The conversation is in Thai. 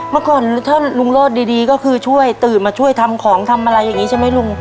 เมื่อก่อนถ้าลุงโลศดีก็คือช่วยตื่นมาช่วยทำของทำอะไรอย่างนี้ใช่ไหมลุง